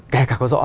kể cả có rõ